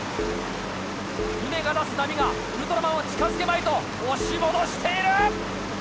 船が出す波がウルトラマンを近づけまいと押し戻している！